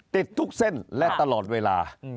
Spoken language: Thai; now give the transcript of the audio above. ติดทุกเส้นและตลอดเวลา